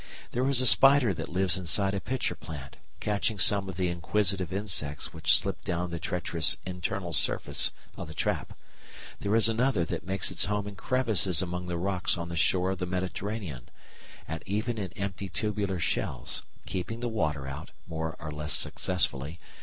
_ There is a spider that lives inside a pitcher plant, catching some of the inquisitive insects which slip down the treacherous internal surface of the trap. There is another that makes its home in crevices among the rocks on the shore of the Mediterranean, or even in empty tubular shells, keeping the water out, more or less successfully, by spinning threads of silk across the entrance to its retreat.